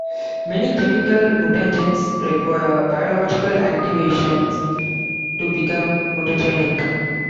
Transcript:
Many chemical mutagens require biological activation to become mutagenic.